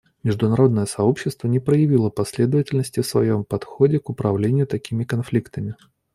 Международное сообщество не проявило последовательности в своем подходе к управлению такими конфликтами.